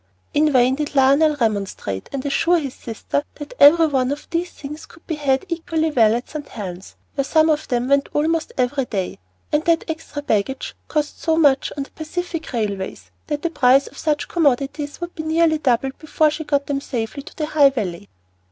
In vain did Lionel remonstrate, and assure his sister that every one of these things could be had equally well at St. Helen's, where some of them went almost every day, and that extra baggage cost so much on the Pacific railways that the price of such commodities would be nearly doubled before she got them safely to the High Valley.